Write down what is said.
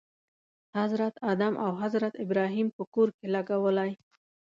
حضرت آدم او حضرت ابراهیم په کور کې لګولی.